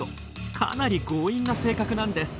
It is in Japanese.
かなり強引な性格なんです。